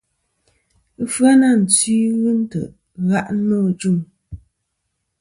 Ɨfyanatwi ghɨ ntè' gha' nô ajuŋ.